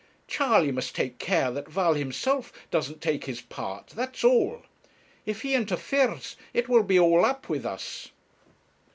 Charley must take care that Val himself doesn't take his part, that's all. If he interferes, it would be all up with us.'